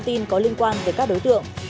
truy nã đối tượng